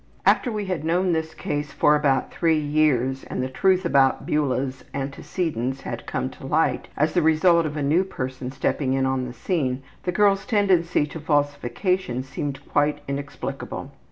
After we had known this case for about three years and the truth about Beula's antecedents had come to light as the result of a new person stepping in on the scene, the girl's tendency to falsification seemed quite inexplicable.